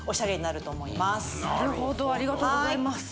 なるほどありがとうございます。